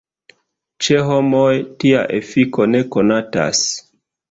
Ĉe homoj tia efiko ne konatas.